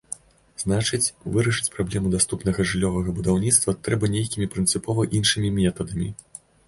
Значыць, вырашаць праблему даступнага жыллёвага будаўніцтва трэба нейкімі прынцыпова іншымі метадамі.